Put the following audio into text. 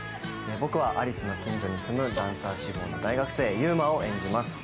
僕は有栖の近所に住むダンサー志望の大学生、祐馬を演じます。